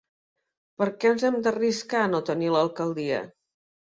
Per què ens hem d’arriscar a no tenir l’alcaldia?